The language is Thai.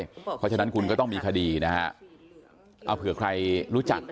เพราะฉะนั้นคุณก็ต้องมีคดีนะฮะเอาเผื่อใครรู้จัก